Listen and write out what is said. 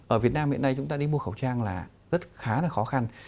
ở việt nam hiện nay chúng ta đi mua khẩu trang là rất khá là khó khăn